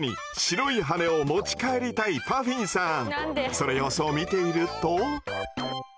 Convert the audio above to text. その様子を見ていると。